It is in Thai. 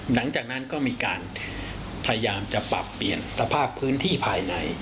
หลังจากนั้นก็มีการพยายามจะปรับเปลี่ยนสภาพพื้นที่ภายใน